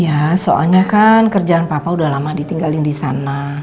ya soalnya kan kerjaan papa udah lama ditinggalin di sana